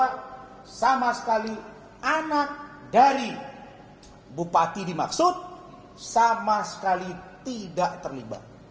tidak sama sekali anak dari bupati dimaksud sama sekali tidak terlibat